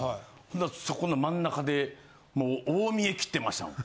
ほなそこの真ん中でもう大見得切ってましたもん。